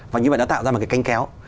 và như vậy nó tạo ra một cái canh kéo